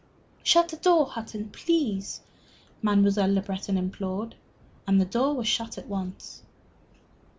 "Shut the door, Hutton, please," Mademoiselle Le Breton implored, and the door was shut at once.